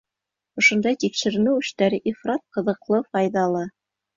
Ошондай тикшеренеү эштәре ифрат ҡыҙыҡлы, файҙалы.